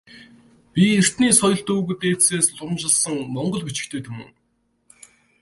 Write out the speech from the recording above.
Бидэртний соёлт өвөг дээдсээс уламжилсан монгол бичигтэй түмэн.